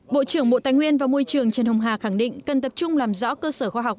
bộ trưởng bộ tài nguyên và môi trường trần hồng hà khẳng định cần tập trung làm rõ cơ sở khoa học